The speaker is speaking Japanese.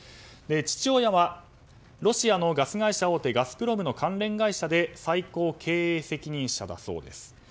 父親はロシアのガス会社大手ガスプロムの関連会社で最高経営責任者だそうです。